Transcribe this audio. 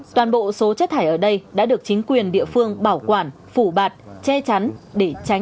toàn bộ số chất thải ở đây đã được chính quyền địa phương bảo quản phủ bạt che chắn để tránh